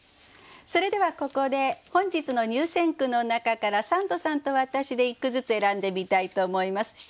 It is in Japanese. それではここで本日の入選句の中から三度さんと私で一句ずつ選んでみたいと思います。